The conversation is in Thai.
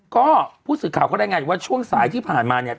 ก็ผู้สื่อข่าวก็ได้งานว่าช่วงสายที่ผ่านมาเนี่ย